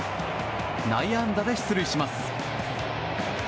内野安打で出塁します。